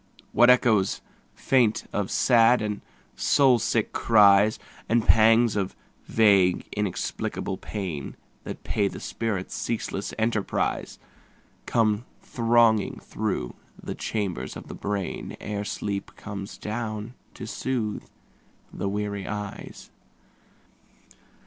What echoes faint of sad and soul sick cries, And pangs of vague inexplicable pain That pay the spirit's ceaseless enterprise, Come thronging through the chambers of the brain Ere sleep comes down to soothe the weary eyes.